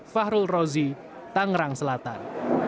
fahrul rozi tangerang selatan